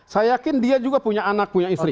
saya yakin dia juga punya anak punya istri